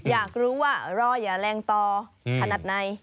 อยากรู้ว่ารออย่าแรงต่อขนาดไหน